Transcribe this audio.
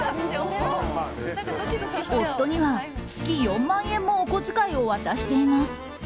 夫には、月４万円もお小遣いを渡しています。